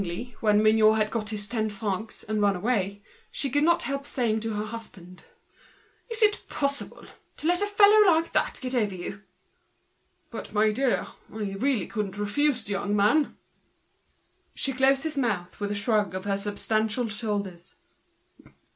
Therefore, when Mignot had got his ten francs, and had run away, she could not help saying to her husband: "Is it possible! to let a fellow like that get over you!" "But, my dear, I really could not refuse the young man." She closed his mouth with a shrug of her substantial shoulders.